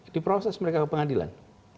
di proses mereka ke pengadilan